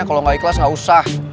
kalau gak ikhlas gak usah